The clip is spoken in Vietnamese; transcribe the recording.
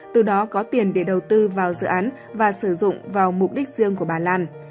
từ đó có tiền để đầu tư vào dự án và sử dụng vào mục đích riêng của bà lan